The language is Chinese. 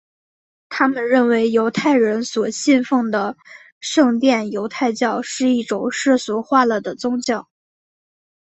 他们认为犹太人所信奉的圣殿犹太教是一种世俗化了的宗教。